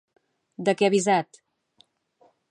De què ha avisat?